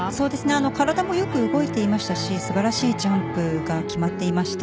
体もよく動いていましたし素晴らしいジャンプが決まっていました。